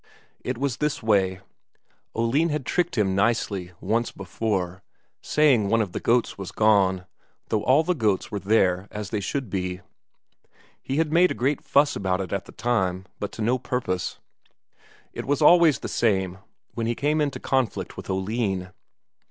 It was this way. Oline had tricked him nicely once before, saying one of the goats was gone, though all the goats were there as they should be; he had made a great fuss about it at the time, but to no purpose. It was always the same when he came into conflict with Oline.